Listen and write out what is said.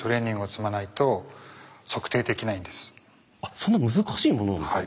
そんな難しいものなんですか？